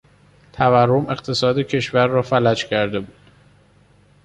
تورم اقتصاد کشور را فلج کرده بود.